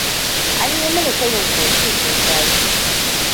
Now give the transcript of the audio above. An yi mini tayin kofi ko shayi.